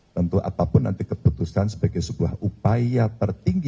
tentu apapun nanti keputusan sebagai sebuah upaya tertinggi